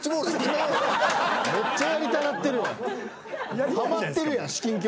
めっちゃやりたがってるやん。